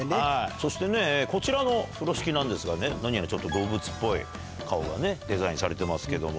そしてこちらの風呂敷なんですが何やらちょっと動物っぽい顔がデザインされてますけども。